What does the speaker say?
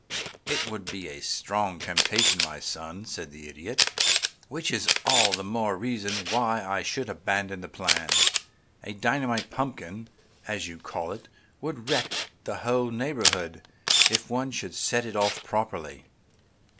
"It would be a strong temptation, my son," said the Idiot, "which is all the more reason why I should abandon the plan. A dynamite punkin, as you call it, would wreck the whole neighborhood if one should set it off properly.